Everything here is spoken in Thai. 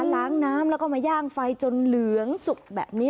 ล้างน้ำแล้วก็มาย่างไฟจนเหลืองสุกแบบนี้